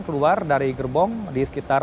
keluar dari gerbong di sekitar